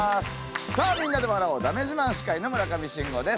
さあみんなで笑おうだめ自慢司会の村上信五です。